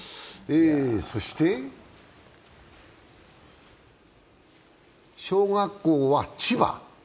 そして小学校は千葉。